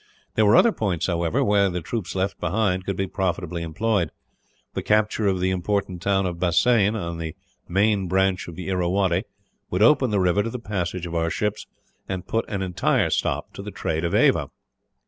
There were other points, however, where the troops left behind could be profitably employed. The capture of the important town of Bassein, on the main branch of the Irrawaddy, would open the river to the passage of our ships, and put an entire stop to the trade of Ava.